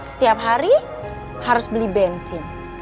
setiap hari harus beli bensin